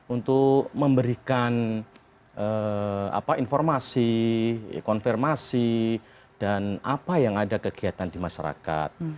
untuk memberikan informasi konfirmasi dan apa yang ada kegiatan di masyarakat